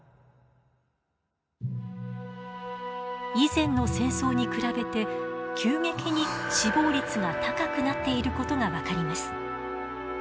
以前の戦争に比べて急激に死亡率が高くなっていることが分かります。